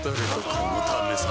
このためさ